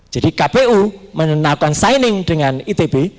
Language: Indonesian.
jadi kpu menenangkan signing dengan itb